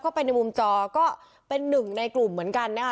เข้าไปในมุมจอก็เป็น๑ในกลุ่มเหมือนกันนะคะ